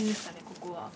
ここは。